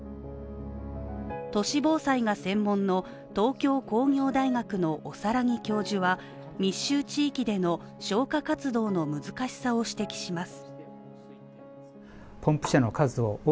都市防災が専門の東京工業大学の大佛教授は、密集地域での消火活動の難しさを指摘します。